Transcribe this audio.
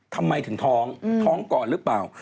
ทำไมถึงท้องท้องก่อนหรือเปล่า